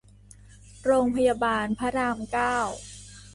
โรงพยาบาลพระรามเก้า